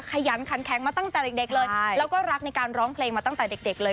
ขยันขันแข็งมาตั้งแต่เด็กเลยแล้วก็รักในการร้องเพลงมาตั้งแต่เด็กเลย